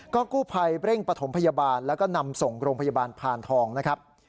กู้ภัยเร่งปฐมพยาบาลแล้วก็นำส่งโรงพยาบาลพานทองนะครับ